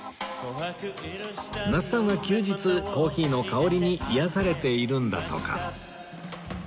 那須さんは休日コーヒーの香りに癒やされているんだとか